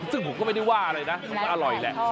ซึ่งผมก็ไม่ได้ว่าเลยนะอร่อยแหละ